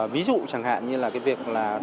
ví dụ chẳng hạn như là cái việc là